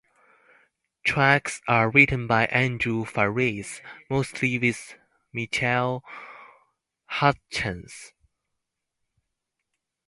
Tracks are written by Andrew Farriss, mostly with Michael Hutchence.